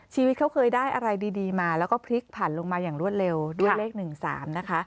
ชีวิตเขาเคยได้อะไรดีมาแล้วก็พลิกผ่านลงมาอย่างรวดเร็วด้วยเลข๑๓นะคะ